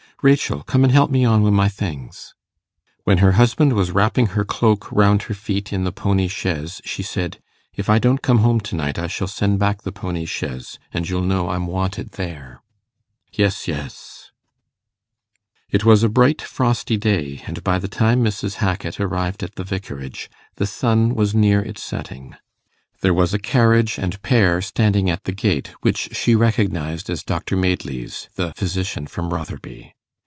'Rachel, come an' help me on wi' my things.' When her husband was wrapping her cloak round her feet in the pony chaise, she said, 'If I don't come home to night, I shall send back the pony chaise, and you'll know I'm wanted there.' 'Yes, yes.' It was a bright frosty day, and by the time Mrs. Hackit arrived at the Vicarage, the sun was near its setting. There was a carriage and pair standing at the gate, which she recognized as Dr Madeley's, the physician from Rotherby.